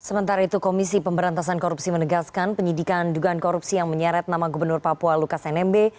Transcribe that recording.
sementara itu komisi pemberantasan korupsi menegaskan penyidikan dugaan korupsi yang menyeret nama gubernur papua lukas nmb